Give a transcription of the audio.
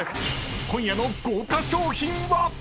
［今夜の豪華賞品は⁉］